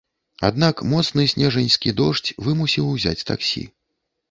Аднак моцны снежаньскі дождж вымусіў узяць таксі.